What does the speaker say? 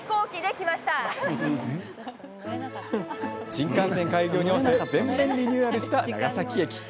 新幹線開業に合わせ全面リニューアルした長崎駅。